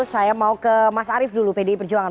saya mau ke mas arief dulu pdi perjuangan